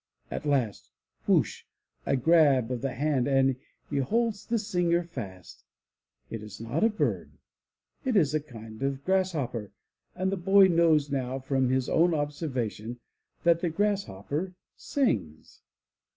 At last! Whoosh! A grab of the hand and he holds the singer fast. It is not a bird; it is a kind of grasshopper, and the boy knows now from his own observation that the grasshopper sings.